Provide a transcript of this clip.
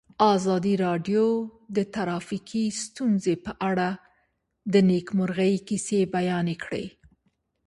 ازادي راډیو د ټرافیکي ستونزې په اړه د نېکمرغۍ کیسې بیان کړې.